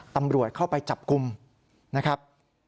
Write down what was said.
ตำรวจเข้าไปจับกลุ่มนะครับ